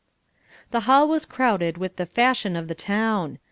The Hall was crowded with the fashion of the town.